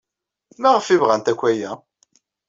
Maɣef ay bɣant akk aya?